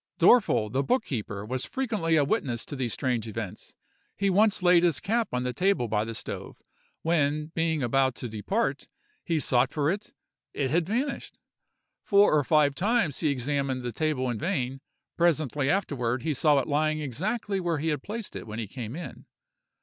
"Dorfel, the book keeper, was frequently a witness to these strange events. He once laid his cap on the table by the stove; when, being about to depart, he sought for it, it had vanished. Four or five times he examined the table in vain; presently afterward he saw it lying exactly where he had placed it when he came in.